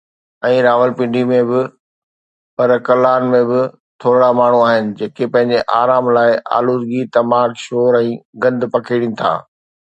۽ راولپنڊي ۾ به، پر ڪلان ۾ به ٿورڙا ماڻهو آهن جيڪي پنهنجي آرام لاءِ آلودگي، تماڪ، شور ۽ گند پکيڙين ٿا.